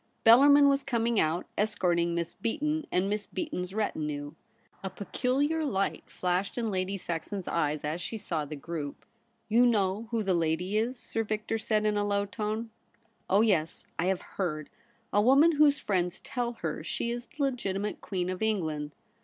Bel larmin was coming out, escorting Miss Beaton, and Miss Beaton's retinue. A peculiar light flashed in Lady Saxon's eyes as she saw the group. ' You know who the lady is ?' Sir Victor said, in a low tone. 'WHO SHALL SEPARATE US?' 67 ' Oh yes ; I have heard. A woman whose friends tell her she is the legitimate Queen of England.